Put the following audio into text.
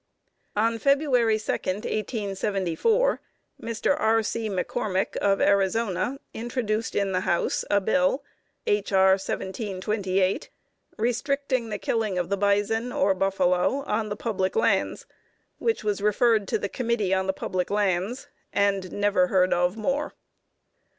On February 2, 1874, Mr. R. C. McCormick, of Arizona, introduced in the House a bill (H. R. 1728) restricting the killing of the bison, or buffalo, on the public lands; which was referred to the Committee on the Public Lands, and never heard of more.